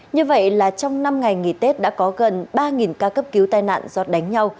như vậy là trong năm ngày nghỉ tết đã có gần ba ca cấp cứu tai nạn do đánh nhau